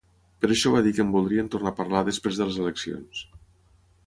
Per això va dir que en voldrien tornar a parlar després de les eleccions.